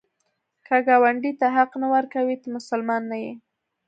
که ګاونډي ته حق نه ورکوې، ته مسلمان نه یې